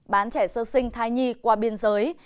bán trẻ sơ sinh thai nhi qua biên giới